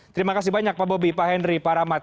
terima kasih banyak pak bobi pak henry pak rahmat